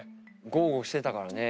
豪語してたからね